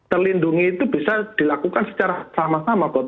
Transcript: terlindungi itu bisa dilakukan secara sama sama